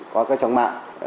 có các trang mạng